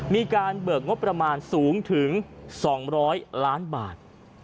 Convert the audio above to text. มีการเบิกงบประมาณสูงถึง๒๐๐ล้านบาท